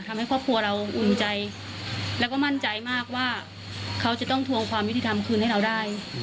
ทำให้ครอบครัวเราอุ่นใจแล้วก็มั่นใจมากว่าเขาจะต้องทวงความยุติธรรมคืนให้เราได้